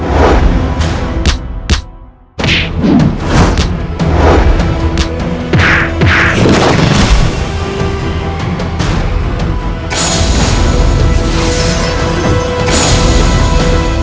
ya allah semoga kakinya tidak ada apa apa